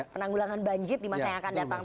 penanggulangan banjir di masa yang akan datang